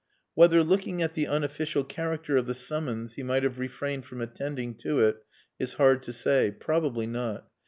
Whether, looking at the unofficial character of the summons, he might have refrained from attending to it is hard to say. Probably not.